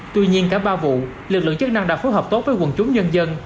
tuy nhiên cả ba vụ lực lượng chức năng đã phối hợp tốt với quần chúng nhân dân